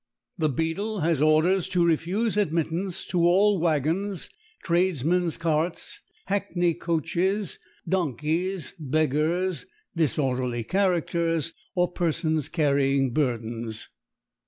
_The Beadle has orders to refuse admittance to all Waggons, Tradesmen's Carts, Hackney Coaches, Donkeys, Beggars, Disorderly Characters, or Persons carrying Burdens_.